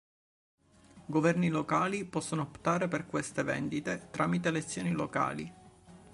I governi locali possono optare per queste vendite tramite elezioni "locali".